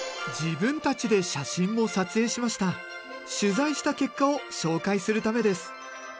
取材した結果を紹介するためです。